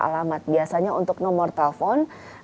alamat biasanya untuk nomor telepon